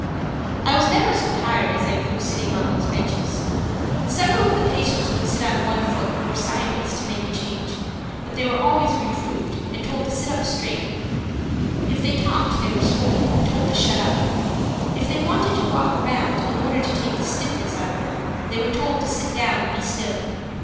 I was never so tired as I grew sitting on those benches. Several of the patients would sit on one foot or sideways to make a change, but they were always reproved and told to sit up straight. If they talked they were scolded and told to shut up; if they wanted to walk around in order to take the stiffness out of them, they were told to sit down and be still.